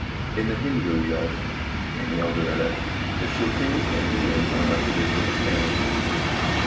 In the "HyndluljoS" in the "Elder Edda" the Scilfings and Yng lings are mentioned as different families.